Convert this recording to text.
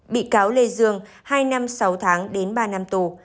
bị cáo lê dương hai năm sáu tháng đến ba năm tù